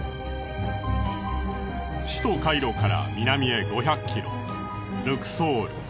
首都カイロから南へ５００キロルクソール。